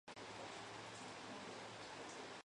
Por ello, se lo considera el padre de la grafología moderna.